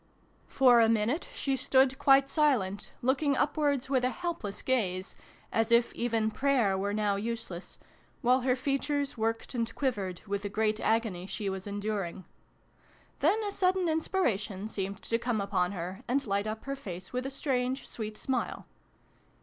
For a minute she stood quite silent, looking upwards with a helpless gaze, as if even prayer 1 were now useless, while her features worked and quivered with the great agony she was enduring. Then a sudden inspiration seemed to come upon her and light up her face with a strange sweet smile.